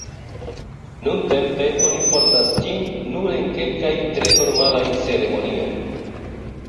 Nuntempe oni portas ĝin nur en kelkaj tre formalaj ceremonioj.